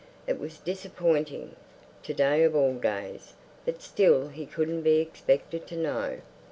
It was disappointing—to day of all days. But still he couldn't be expected to know.